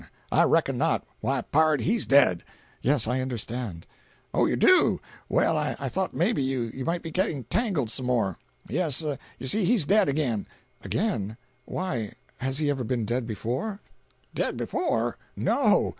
I reckon not. Why pard, he's dead!" "Yes, I understand." "Oh, you do? Well I thought maybe you might be getting tangled some more. Yes, you see he's dead again—" "Again? Why, has he ever been dead before?" "Dead before? No!